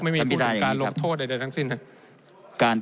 ไม่มีวิธีการลงโทษใดทั้งสิ้นครับ